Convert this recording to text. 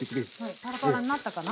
パラパラになったかな？